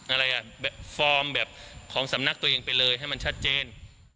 อะไรอ่ะแบบฟอร์มแบบของสำนักตัวเองไปเลยให้มันชัดเจน